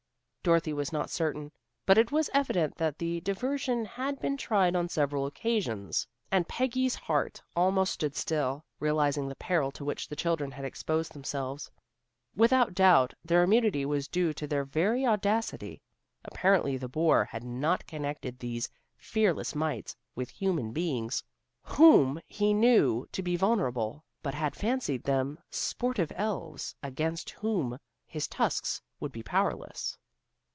Dorothy was not certain, but it was evident that the diversion had been tried on several occasions and Peggy's heart almost stood still, realizing the peril to which the children had exposed themselves. Without doubt their immunity was due to their very audacity. Apparently the boar had not connected these fearless mites with human beings whom he knew to be vulnerable, but had fancied them sportive elves, against whom his tusks would be powerless.